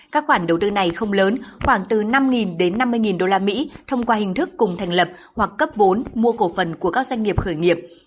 các khoản đầu tư này không lớn khoảng từ năm đến năm mươi usd thông qua hình thức cùng thành lập hoặc cấp vốn mua cổ phần của các doanh nghiệp khởi nghiệp